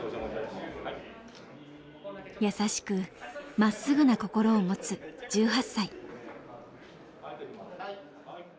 優しくまっすぐな心を持つ１８歳。